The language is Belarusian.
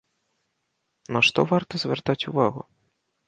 На што варта звяртаць увагу?